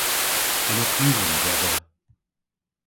Yma pluven dhedha.